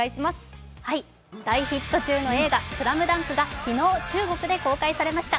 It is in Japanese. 大ヒット中の映画「ＳＬＡＭＤＵＮＫ」が昨日、中国で公開されました。